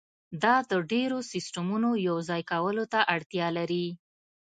دا د ډیرو سیستمونو یوځای کولو ته اړتیا لري